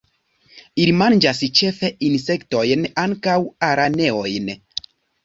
Ili manĝas ĉefe insektojn, ankaŭ araneojn.